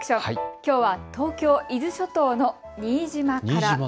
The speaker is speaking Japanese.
きょうは東京伊豆諸島の新島から。